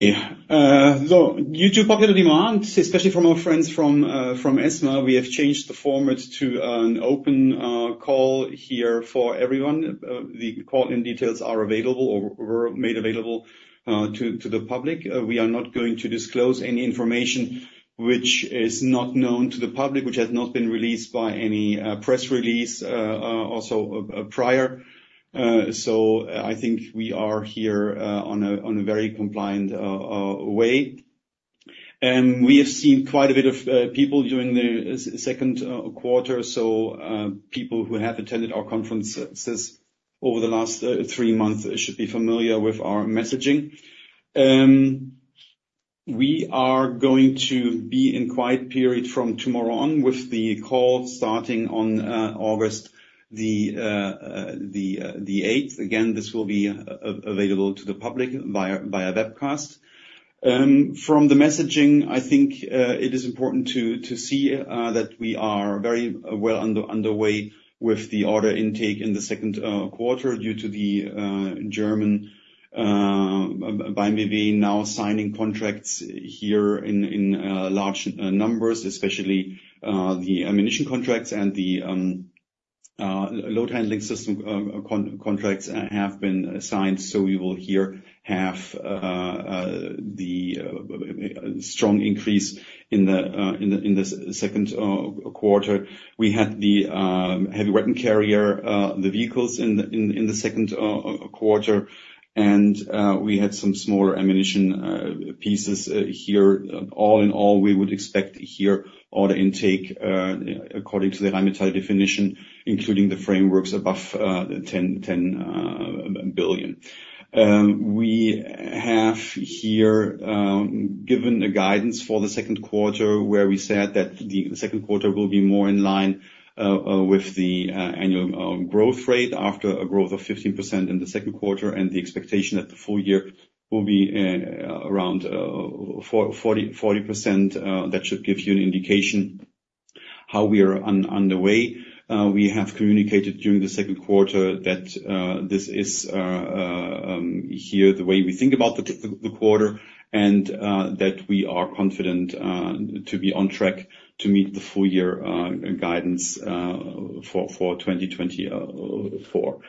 Yeah. So due to popular demand, especially from our friends from ESMA, we have changed the format to an open call here for everyone. The call-in details are available or were made available to the public. We are not going to disclose any information which is not known to the public, which has not been released by any press release also prior. So I think we are here on a very compliant way. We have seen quite a bit of people during the second quarter, so people who have attended our conferences over the last three months should be familiar with our messaging. We are going to be in quiet period from tomorrow on, with the call starting on August the eighth. Again, this will be available to the public via webcast. From the messaging, I think it is important to see that we are very well underway with the order intake in the second quarter, due to the German by maybe now signing contracts here in large numbers, especially the ammunition contracts and the load handling system contracts have been signed, so we will here have the strong increase in the second quarter. We had the heavy weapon carrier, the vehicles in the second quarter, and we had some smaller ammunition pieces here. All in all, we would expect here order intake according to the Rheinmetall definition, including the frameworks above EUR 10 billion. We have here given a guidance for the second quarter, where we said that the second quarter will be more in line with the annual growth rate, after a growth of 15% in the second quarter, and the expectation that the full year will be around 40%. That should give you an indication how we are underway. We have communicated during the second quarter that this is the way we think about the quarter, and that we are confident to be on track to meet the full year guidance for 2024.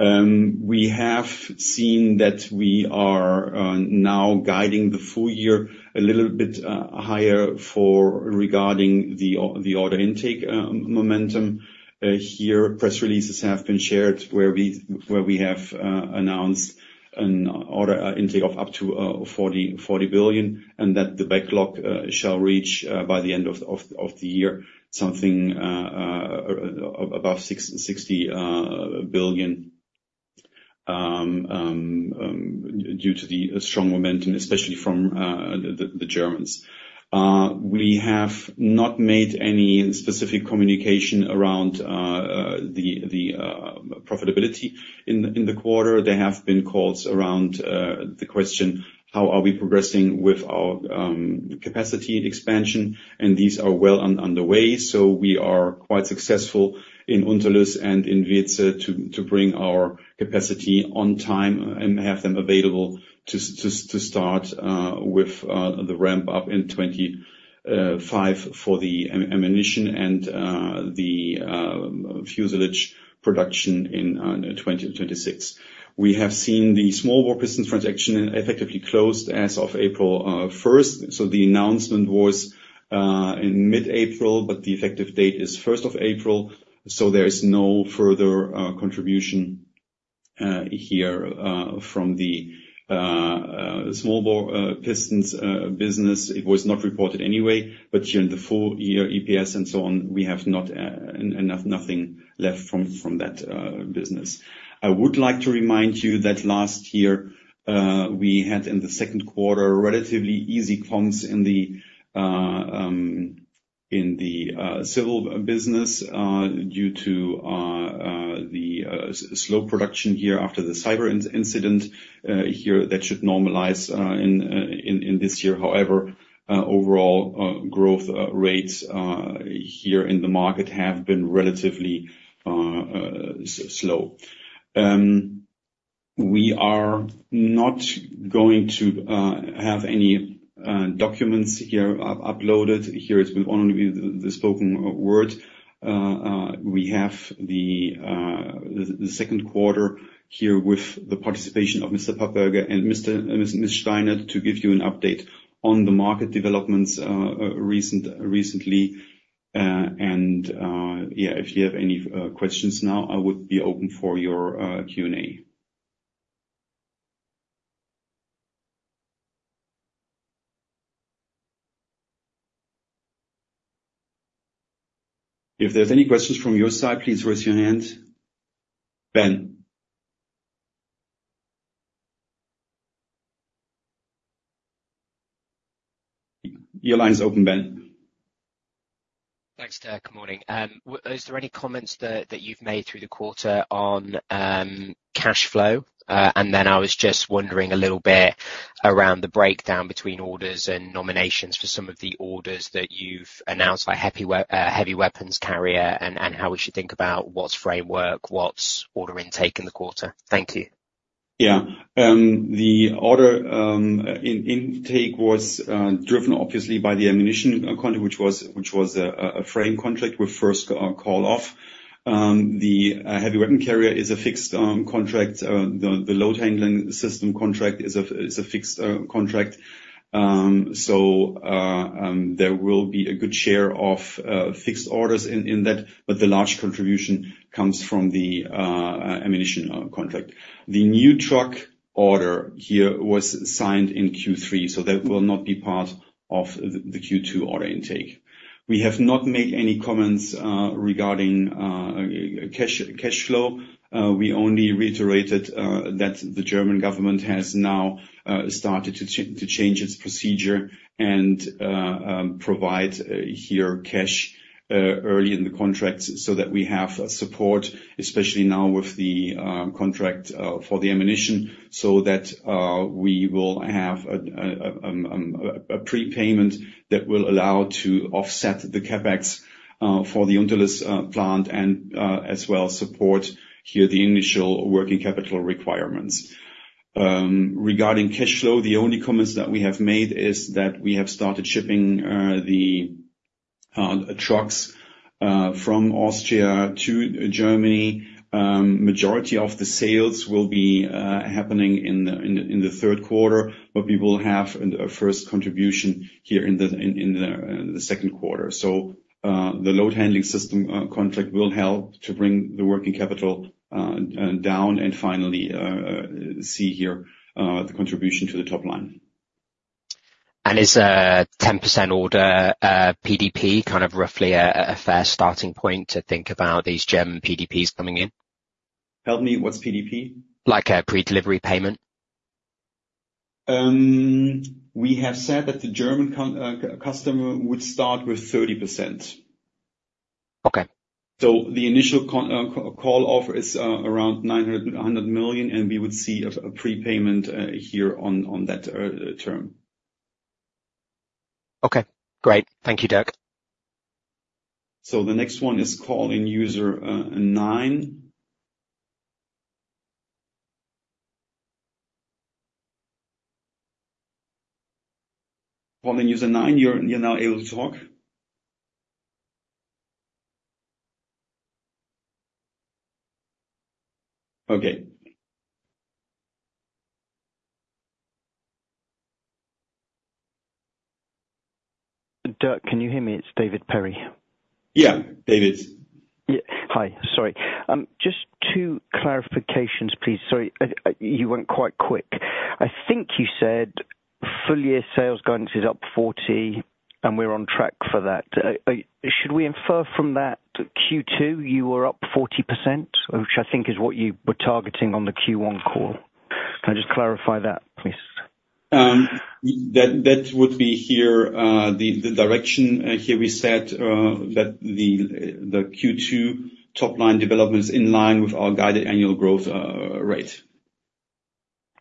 We have seen that we are now guiding the full year a little bit higher regarding the order intake momentum. Here, press releases have been shared where we have announced an order intake of up to 40 billion, and that the backlog shall reach by the end of the year something about EUR 60 billion. Due to the strong momentum, especially from the Germans. We have not made any specific communication around the profitability in the quarter. There have been calls around the question: How are we progressing with our capacity expansion? These are well underway, so we are quite successful in Unterlüss and in Wietze to bring our capacity on time and have them available to start with the ramp up in 2025 for the ammunition and the fuselage production in 2026. We have seen the small bore pistons transaction effectively closed as of April first. The announcement was in mid-April, but the effective date is first of April, so there is no further contribution here from the small bore pistons business. It was not reported anyway, but during the full year, EPS and so on, we have not enough nothing left from that business. I would like to remind you that last year we had, in the second quarter, relatively easy comps in the civil business due to the slow production year after the cyber incident here, that should normalize in this year. However, overall growth rates here in the market have been relatively slow. We are not going to have any documents here uploaded. Here it will only be the spoken word. We have the second quarter here with the partiipation of Mr. Papperger and Mr., Ms. Steinert, to give you an update on the market developments recently. If you have any questions now, I would be open for your Q&A. If there's any questions from your side, please raise your hand. Ben? Your line is open, Ben. Thanks, Dirk. Good morning. Is there any comments that you've made through the quarter on cash flow? And then I was just wondering a little bit around the breakdown between orders and nominations for some of the orders that you've announced, like heavy weapons carrier, and how we should think about what's framework, what's order intake in the quarter. Thank you. Yeah. The order intake was driven obviously by the ammunition contract, which was a frame contract with first call off. The heavy weapon carrier is a fixed contract. The load handling system contract is a fixed contract. So there will be a good share of fixed orders in that, but the large contribution comes from the ammunition contract. The new truck order here was signed in Q3, so that will not be part of the Q2 order intake. We have not made any comments regarding cash flow. We only reiterated that the German government has now started to change its procedure and provide here cash early in the contract so that we have support, especially now with the contract for the ammunition, so that we will have a prepayment that will allow to offset the CapEx for the Unterlüss plant and as well support here the initial working capital requirements. Regarding cash flow, the only comments that we have made is that we have started shipping the trucks from Austria to Germany. Majority of the sales will be happening in the third quarter, but we will have a first contribution here in the second quarter. So, the load handling system contract will help to bring the working capital down, and finally, see here, the contribution to the top line. Is a 10% order, PDP, kind of, roughly a fair starting point to think about these German PDPs coming in? Help me, what's PDP? Like, a pre-delivery payment. We have said that the German customer would start with 30%. Okay. The initial call offer is around 1 billion, and we would see a prepayment here on that term. Okay, great. Thank you, Dirk. The next one is calling user 9. Calling user 9, you're now able to talk? Okay. Dirk, can you hear me? It's David Perry. Yeah, David. Yeah. Hi, sorry. Just two clarifications, please. Sorry, you went quite quick. I think you said full year sales guidance is up 40, and we're on track for that. Should we infer from that, Q2, you were up 40%, which I think is what you were targeting on the Q1 call? Can I just clarify that, please? That would be here, the direction. Here we said that the Q2 top line development is in line with our guided annual growth rate.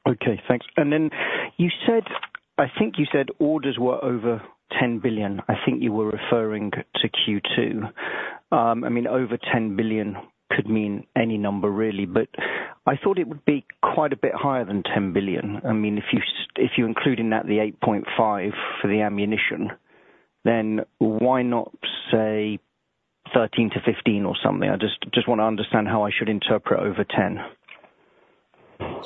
Okay, thanks. And then you said -- I think you said orders were over 10 billion. I think you were referring to Q2. I mean, over 10 billion could mean any number, really, but I thought it would be quite a bit higher than 10 billion. I mean, if you include in that, the 8.5 for the ammunition, then why not say 13-15 billion or something? I just wanna understand how I should interpret over 10. Well,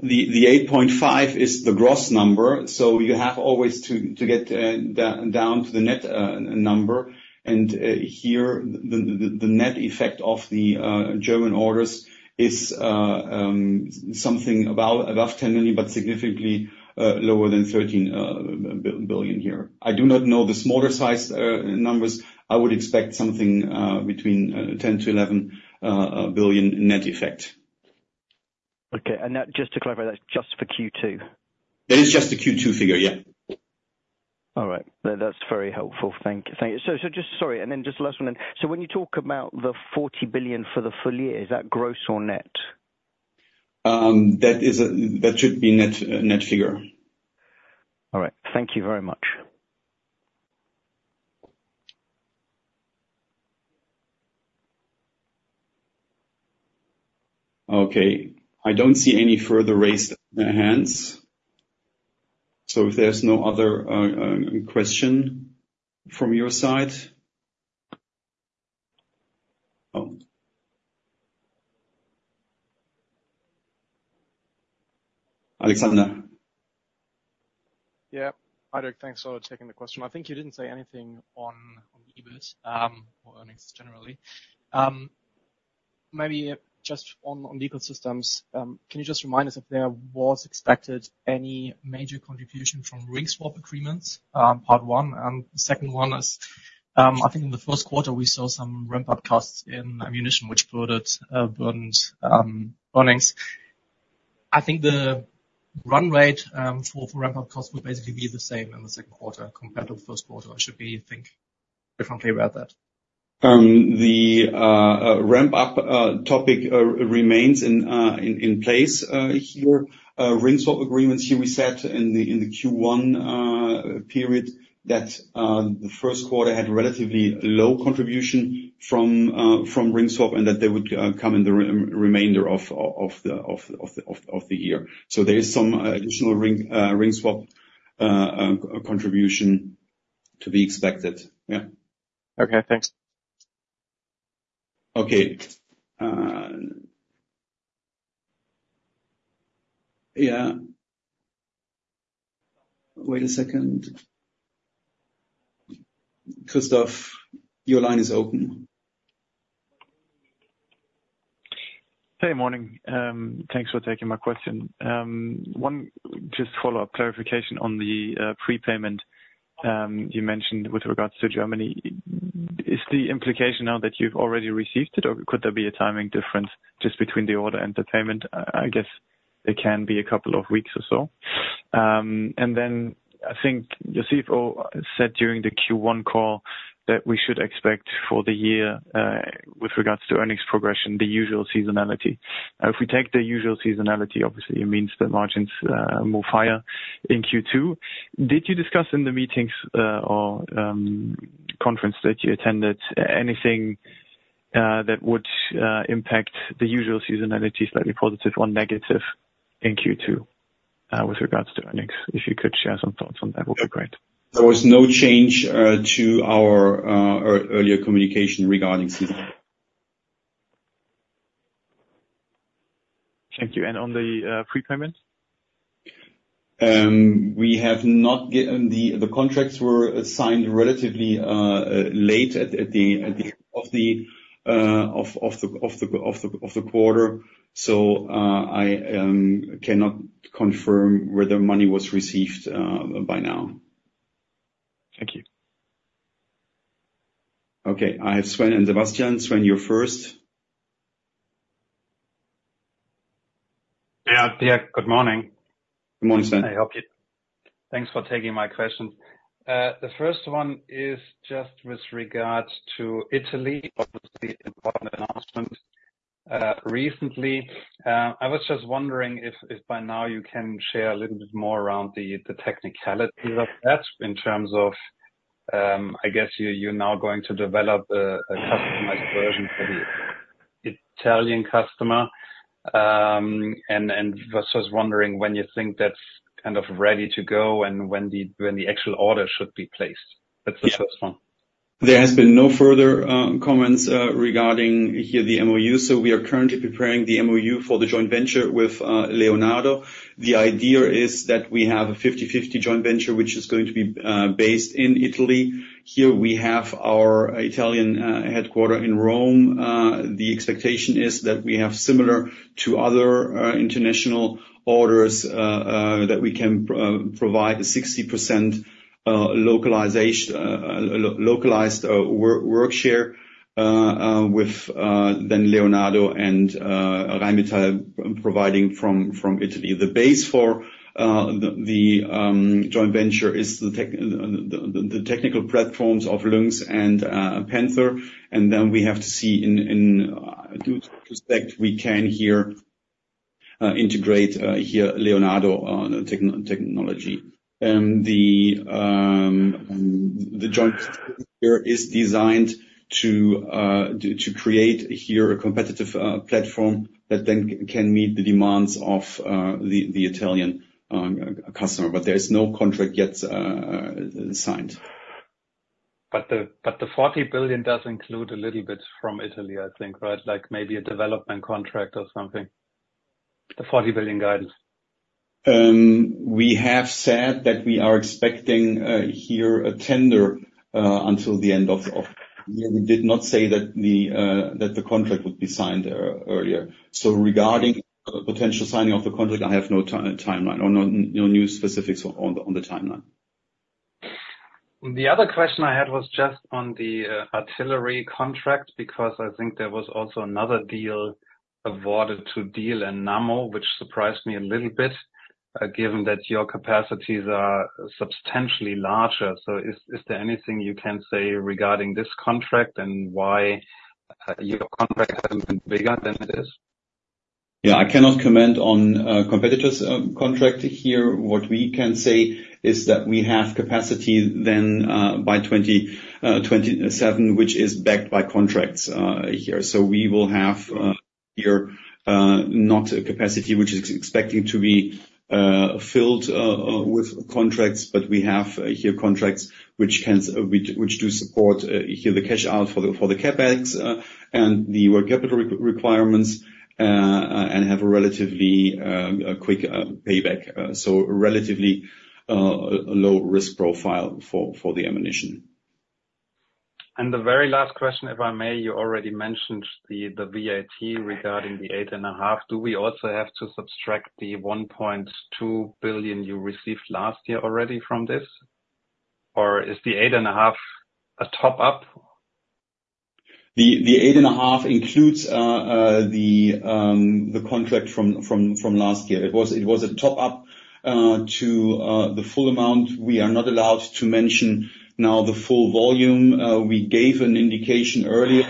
the 8.5 billion is the gross number, so you have always to get down to the net number. And here, the net effect of the German orders is something about above 10 billion, but significantly lower than 13 billion here. I do not know the smaller size numbers. I would expect something between 10 billion-11 billion net effect. Okay. Now just to clarify, that's just for Q2? That is just the Q2 figure, yeah. All right. That, that's very helpful. Thank you. Thank you. So just... Sorry, and then just last one. So when you talk about the 40 billion for the full year, is that gross or net? That should be net, net figure. All right. Thank you very much. Okay, I don't see any further raised hands. So if there's no other question from your side... Oh. Alexander? Yeah. Hi, Dirk, thanks a lot for taking the question. I think you didn't say anything on EBIT or earnings generally. Maybe just on ecosystems, can you just remind us if there was expected any major contribution from ring swap agreements, part one? And second one is, I think in the first quarter, we saw some ramp-up costs in ammunition, which burdened earnings. I think the run rate for ramp-up costs will basically be the same in the second quarter compared to the first quarter, or should we think?... differently about that? The ramp up topic remains in place here. Ring swap agreements here we set in the Q1 period, that the first quarter had relatively low contribution from ring swap, and that they would come in the remainder of the year. So there is some additional ring swap contribution to be expected. Yeah. Okay, thanks. Okay. Yeah. Wait a second. Christoph, your line is open. Hey, morning. Thanks for taking my question. One, just follow-up clarification on the prepayment you mentioned with regards to Germany. Is the implication now that you've already received it, or could there be a timing difference just between the order and the payment? I guess it can be a couple of weeks or so. And then I think Josefo said during the Q1 call that we should expect for the year with regards to earnings progression the usual seasonality. Now, if we take the usual seasonality, obviously it means the margins will fall in Q2. Did you discuss in the meetings or conference that you attended anything that would impact the usual seasonality, slightly positive or negative in Q2 with regards to earnings? If you could share some thoughts on that, would be great. There was no change to our earlier communication regarding seasonality. Thank you. And on the prepayment? We have not given the. The contracts were signed relatively late at the end of the quarter. So, I cannot confirm whether money was received by now. Thank you. Okay. I have Sven and Sebastian. Sven, you're first. Yeah. Yeah, good morning. Good morning, Sven. I hope you... Thanks for taking my question. The first one is just with regards to Italy, obviously important announcement, recently. I was just wondering if by now you can share a little bit more around the technicalities of that, in terms of, I guess, you're now going to develop a customized version for the Italian customer, and was just wondering when you think that's kind of ready to go, and when the actual order should be placed? That's the first one. There has been no further comments regarding here, the MOU, so we are currently preparing the MOU for the joint venture with Leonardo. The idea is that we have a 50/50 joint venture, which is going to be based in Italy. Here we have our Italian headquarters in Rome. The expectation is that we have similar to other international orders that we can provide a 60% localization localized work share with then Leonardo and Rheinmetall providing from Italy. The base for the joint venture is the technical platforms of Lynx and Panther, and then we have to see in due respect we can here integrate here Leonardo technology. The joint venture is designed to create here a competitive platform that then can meet the demands of the Italian customer. But there is no contract yet signed. But the 40 billion does include a little bit from Italy, I think, right? Like maybe a development contract or something. The 40 billion guidance. We have said that we are expecting a tender until the end of the year. We did not say that the contract would be signed earlier. So regarding potential signing of the contract, I have no timeline or no new specifics on the timeline. The other question I had was just on the artillery contract, because I think there was also another deal awarded to Diehl and Nammo, which surprised me a little bit, given that your capacities are substantially larger. So, is there anything you can say regarding this contract and why your contract hasn't been bigger than it is? Yeah, I cannot comment on competitors' contract here. What we can say is that we have capacity then by 2027, which is backed by contracts here. So we will have your not a capacity which is expecting to be filled with contracts, but we have here contracts which do support here the cash out for the CapEx and the working capital requirements and have a relatively quick payback. So relatively low risk profile for the ammunition. And the very last question, if I may: You already mentioned the VAT regarding the 8.5 billion. Do we also have to subtract the 1.2 billion you received last year already from this? Or is the 8.5 a top-up?... The EUR 8.5 includes the contract from last year. It was a top up to the full amount. We are not allowed to mention now the full volume. We gave an indication earlier.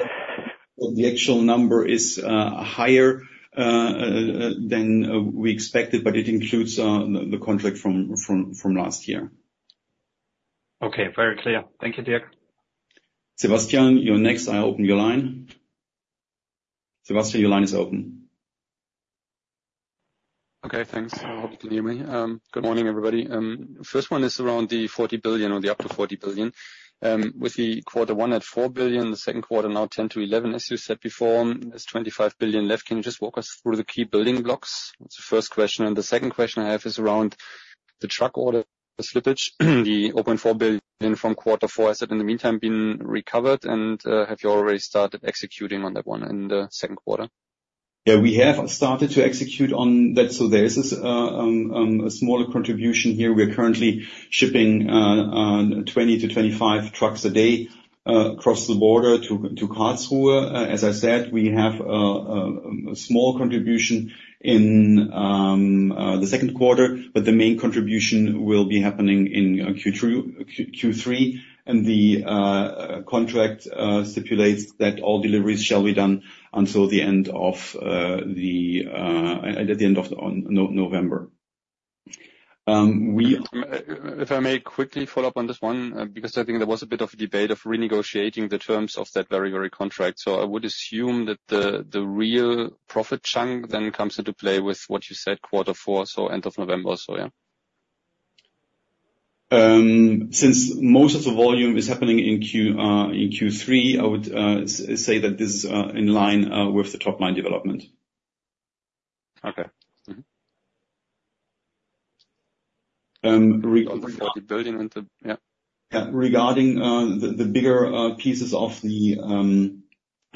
But the actual number is higher than we expected, but it includes the contract from last year. Okay, very clear. Thank you, Dirk. Sebastian, you're next. I'll open your line. Sebastian, your line is open. Okay, thanks. I hope you can hear me. Good morning, everybody. First one is around the 40 billion, or the up to 40 billion. With the quarter one at 4 billion, the second quarter now 10 billion-11 billion, as you said before, there's 25 billion left. Can you just walk us through the key building blocks? That's the first question. The second question I have is around the truck order, the slippage, the open 4 billion from quarter four. Has that, in the meantime, been recovered, and, have you already started executing on that one in the second quarter? Yeah, we have started to execute on that. So there is a smaller contribution here. We are currently shipping 20-25 trucks a day across the border to Karlsruhe. As I said, we have a small contribution in the second quarter, but the main contribution will be happening in Q3, and the contract stipulates that all deliveries shall be done until the end of November. We- If I may quickly follow up on this one, because I think there was a bit of a debate of renegotiating the terms of that very, very contract. So I would assume that the, the real profit chunk then comes into play with what you said, quarter four, so end of November, so, yeah. Since most of the volume is happening in Q3, I would say that this is in line with the top line development. Okay. Mm-hmm. Um, re- Building into, yeah. Yeah, regarding the bigger pieces of the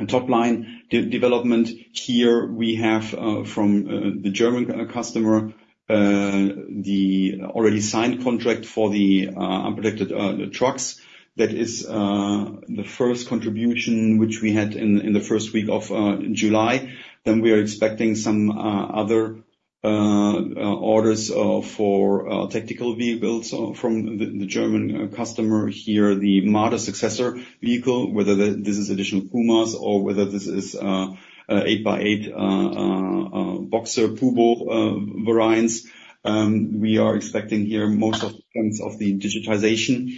top line development, here we have from the German customer the already signed contract for the unprotected trucks. That is the first contribution which we had in the first week of July. Then we are expecting some other orders for tactical vehicles from the German customer here, the Marder successor vehicle, whether this is additional Pumas or whether this is a eight by eight Boxer Puho variants. We are expecting here most of the trends of the digitization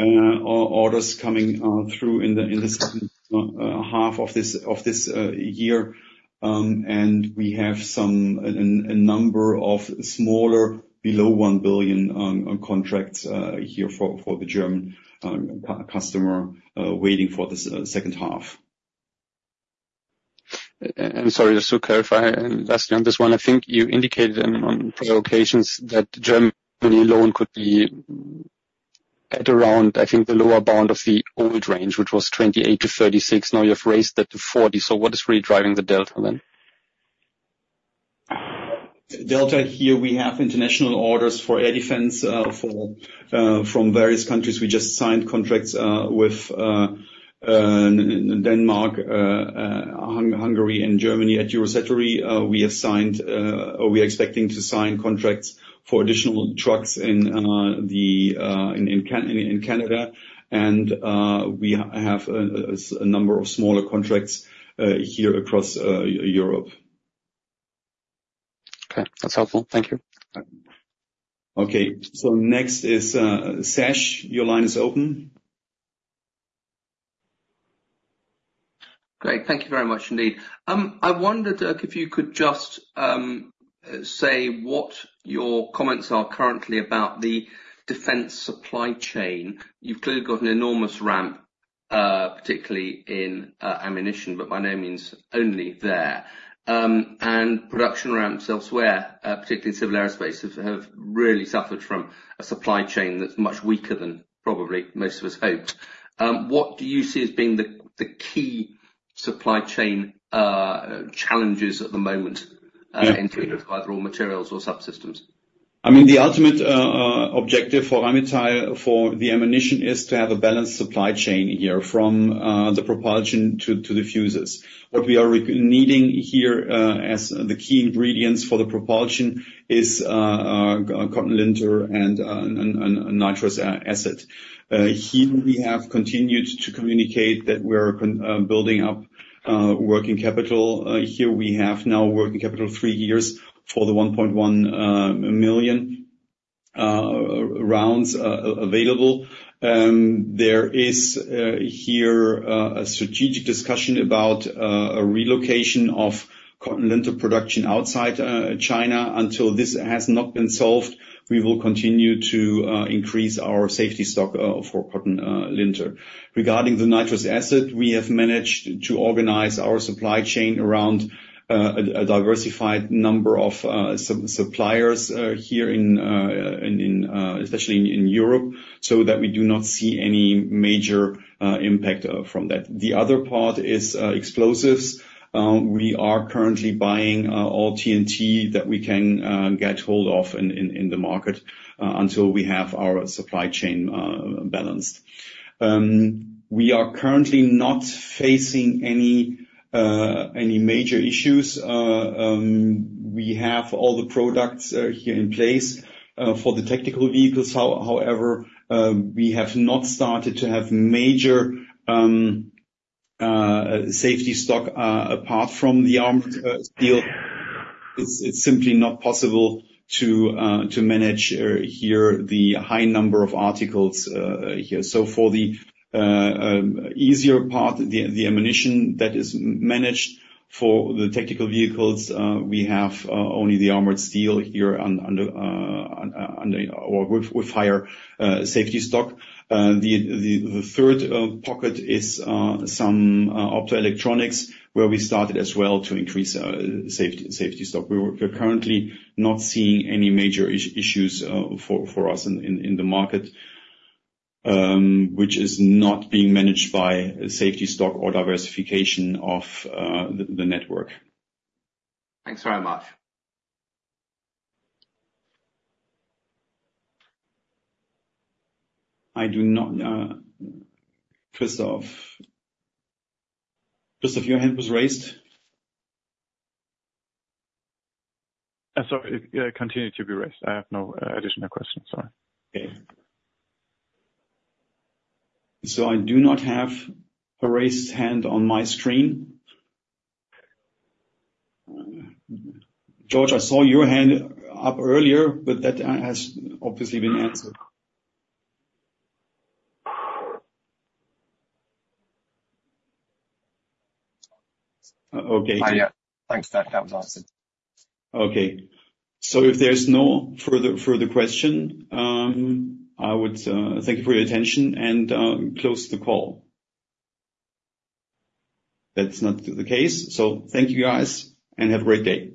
orders coming through in the second half of this year. We have a number of smaller, below 1 billion, contracts here for the German customer waiting for this second half. Sorry, just to clarify, and lastly, on this one, I think you indicated on several occasions that Germany alone could be at around, I think, the lower bound of the old range, which was 28-36. Now you have raised that to 40. So what is really driving the delta then? Delta, here we have international orders for air defense from various countries. We just signed contracts with Denmark, Hungary and Germany. At Eurosatory, we have signed or we are expecting to sign contracts for additional trucks in Canada, and we have a number of smaller contracts here across Europe. Okay, that's helpful. Thank you. Okay, so next is Sash. Your line is open. Great. Thank you very much indeed. I wondered, Dirk, if you could just say what your comments are currently about the defense supply chain. You've clearly got an enormous ramp, particularly in ammunition, but by no means only there. And production ramps elsewhere, particularly in civil aerospace, have really suffered from a supply chain that's much weaker than probably most of us hoped. What do you see as being the key supply chain challenges at the moment, including either raw materials or subsystems? I mean, the ultimate objective for Amital, for the ammunition, is to have a balanced supply chain here from the propulsion to the fuses. What we are needing here, as the key ingredients for the propulsion is, cotton linter and nitrous acid. Here, we have continued to communicate that we're building up working capital. Here we have now working capital three years for the 1.1 million rounds available. There is here a strategic discussion about a relocation of cotton linter production outside China. Until this has not been solved, we will continue to increase our safety stock for cotton linter. Regarding the nitrous acid, we have managed to organize our supply chain around a diversified number of suppliers here in especially in Europe, so that we do not see any major impact from that. The other part is explosives. We are currently buying all TNT that we can get hold of in the market until we have our supply chain stable, balanced. We are currently not facing any major issues. We have all the products here in place for the tactical vehicles. However, we have not started to have major safety stock apart from the armored steel. It's simply not possible to manage here the high number of articles here. So for the easier part, the ammunition that is managed for the tactical vehicles, we have only the armored steel here under or with higher safety stock. The third pocket is some optoelectronics, where we started as well to increase safety stock. We're currently not seeing any major issues for us in the market, which is not being managed by safety stock or diversification of the network. Thanks very much. I do not, Christoph. Christoph, your hand was raised? Sorry, it continued to be raised. I have no additional questions. Sorry. Okay. So I do not have a raised hand on my screen. George, I saw your hand up earlier, but that has obviously been answered. Okay. Hi, yeah. Thanks for that. That was answered. Okay. So if there's no further question, I would thank you for your attention and close the call. That's not the case, so thank you, guys, and have a great day.